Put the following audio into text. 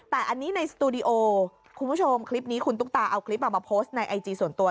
แต่อันนี้ในสตูดิโอคุณผู้ชมคลิปนี้คุณตุ๊กตาเอาคลิปมาโพสต์ในไอจีส่วนตัว